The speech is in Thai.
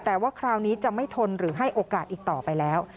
แต่ว่าคราวนี้จะไม่ทนหรือให้โอกาสอีกต่อไปแล้ว